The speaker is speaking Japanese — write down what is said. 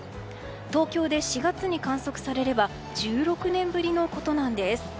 東京で４月に観測されれば１６年ぶりのことなんです。